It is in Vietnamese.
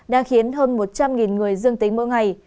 đã khiến hơn một trăm linh người dương tính mỗi ngày